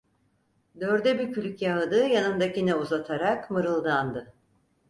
Dörde bükülü kâğıdı yanındakine uzatarak mırıldandı: